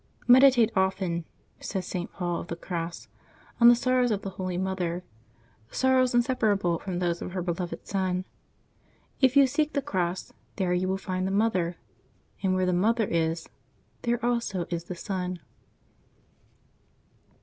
—" Meditate often," says St. Paul of the Cross, '^on the sorrows of the hol}^ Mother, sorrows in separable from those of her beloved Son. If you seek the Cross, there you will find the Mother; and where the Mother is, there also is the Son."